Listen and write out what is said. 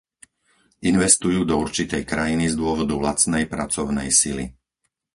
Investujú do určitej krajiny z dôvodu lacnej pracovnej sily.